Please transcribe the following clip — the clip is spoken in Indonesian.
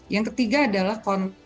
yang ketiga adalah